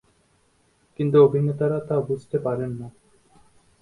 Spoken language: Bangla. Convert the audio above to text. কিন্তু অভিনেতারা তা বুঝতে পারে না।